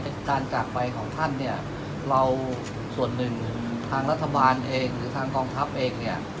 การจากไปของท่านเนี่ยเราส่วนหนึ่งทางรัฐบาลเองหรือทางกองทัพเองเนี่ย